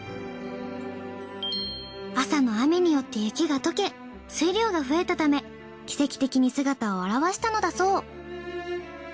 朝の雨によって雪が溶け水量が増えたため奇跡的に姿を現したのだそう。